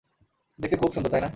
দেখতে খুব সুন্দর, তাই না?